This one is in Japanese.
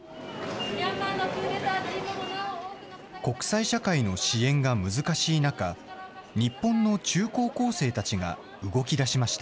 国際社会の支援が難しい中、日本の中高校生たちが動きだしました。